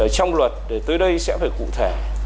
trong luật tới đây sẽ phải cụ thể